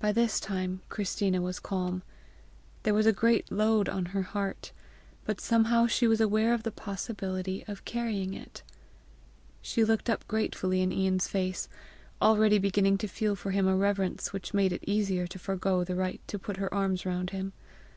By this time Christina was calm. There was a great load on her heart, but somehow she was aware of the possibility of carrying it. She looked up gratefully in Ian's face, already beginning to feel for him a reverence which made it easier to forego the right to put her arms round him.